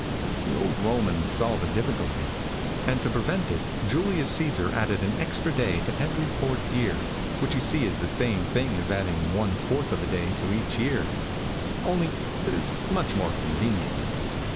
The old Romans saw the difficulty; and, to prevent it, Julius Cæsar added an extra day to every fourth year, which you see is the same thing as adding one fourth of a day to each year, only it is much more convenient.